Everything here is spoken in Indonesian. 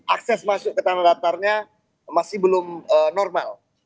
akses masuk ke tanah datarnya masih belum normal